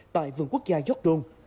tại vườn quốc gia york don